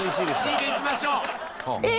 Ｃでいきましょう。